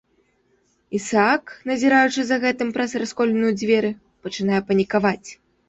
Ісаак, назіраючы за гэтым праз расколіну ў дзверы, пачынае панікаваць.